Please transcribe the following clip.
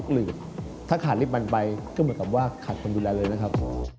เหนียวนะครับ